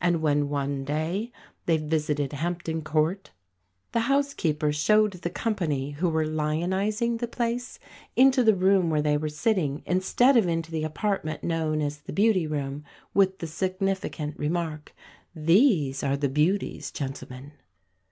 And when, one day, they visited Hampton Court, the housekeeper showed the company who were "lionising" the place into the room where they were sitting, instead of into the apartment known as the "Beauty Room," with the significant remark, "These are the beauties, gentlemen."